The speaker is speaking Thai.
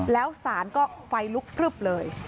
แล้วสารก็ไฟลุกพลึบเลย